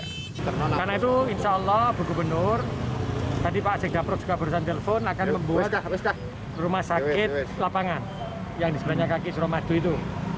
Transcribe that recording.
karena itu insya allah buk gubernur tadi pak asyik dapur juga berusaha telepon akan membuat rumah sakit lapangan yang disebelahnya kaki suramadu itu